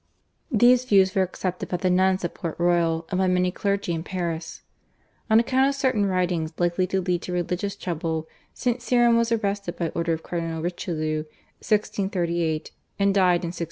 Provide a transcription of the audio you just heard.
These views were accepted by the nuns at Port Royal and by many clergy in Paris. On account of certain writings likely to lead to religious trouble St. Cyran was arrested by order of Cardinal Richelieu (1638) and died in 1643.